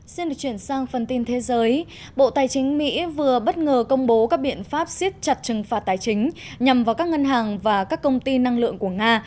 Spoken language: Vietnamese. xin được chuyển sang phần tin thế giới bộ tài chính mỹ vừa bất ngờ công bố các biện pháp siết chặt trừng phạt tài chính nhằm vào các ngân hàng và các công ty năng lượng của nga